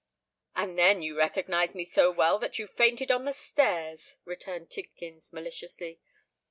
"And then you recognised me so well that you fainted on the stairs," returned Tidkins, maliciously.